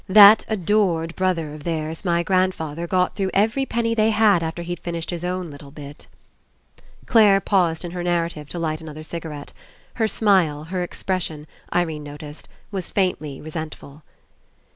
That adored brother of theirs, my grand father, got through every penny they had after he'd finished his own little bit." Clare paused in her narrative to light another cigarette. Her smile, her expression, Irene noticed, was faintly resentful.